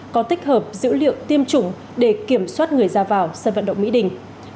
có tích hợp dữ liệu tiêm chủng để kiểm soát người ra vào sân vận động mỹ đình